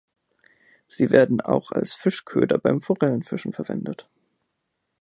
Sie werden auch als Fischköder beim Forellenfischen verwendet.